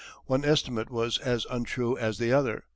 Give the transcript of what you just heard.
One estimate was as untrue as the other.